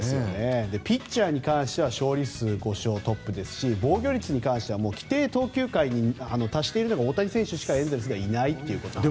ピッチャーに関しては勝利数５勝、トップですし防御率に関しては規定投球回に達しているのが大谷選手しかエンゼルスはいないという。